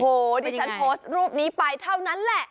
โอ้โหดิฉันโพสต์รูปนี้ไปเท่านั้นแหละ